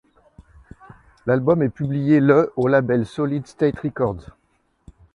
L'album est publié le au label Solid State Records.